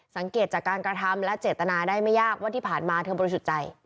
สังเกตจากการกระทำและเจตนาได้ไม่ยากว่าที่ผ่านมาเธอบริสุทธิ์ใจ